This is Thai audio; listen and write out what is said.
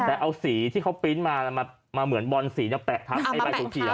แต่เอาสีที่เขามามามาเหมือนบอลสีเนี้ยแปะทับเอามาแปะทับ